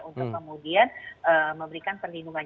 untuk kemudian memberikan perlindungan